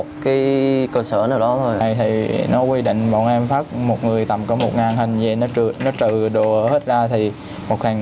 truy tìm những người phát tán